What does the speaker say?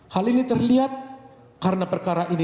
hal ini terlihat karena perkara ini